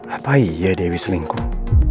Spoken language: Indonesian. apa iya dewi selingkuh